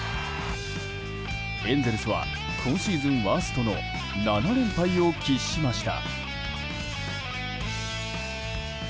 エンゼルスは今シーズンワーストの７連敗を喫しました。